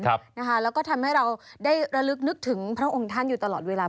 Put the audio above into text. แล้วก็ทำให้เราได้ระลึกนึกถึงพระองค์ท่านอยู่ตลอดเวลา